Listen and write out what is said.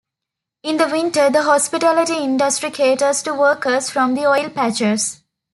In the winter, the hospitality industry caters to workers from the oil patches.